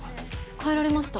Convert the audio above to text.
帰られました。